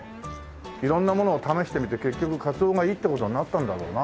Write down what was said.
色んなものを試してみて結局かつおがいいって事になったんだろうな。